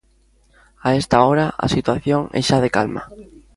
A esta hora a situación é xa de calma.